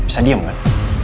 bisa diam kan